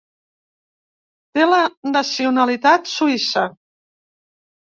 Té la nacionalitat suïssa.